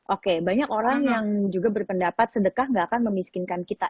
oke banyak orang yang juga berpendapat sedekah gak akan memiskinkan kita